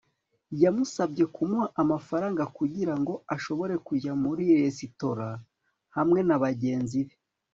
yamusabye kumuha amafaranga kugirango ashobore kujya muri resitora hamwe nabagenzi be